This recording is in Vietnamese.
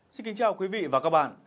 xin kính chào quý vị và các bạn